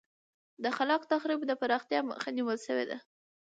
د خلاق تخریب د پراختیا مخه نیول شوې ده.